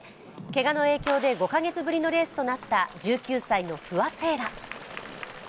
けがの影響で５カ月ぶりのレースとなった１９歳の不破聖衣来。